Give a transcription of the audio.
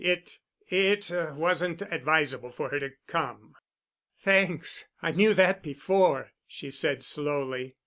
It—it wasn't advisable for her to come." "Thanks, I knew that before," she said slowly.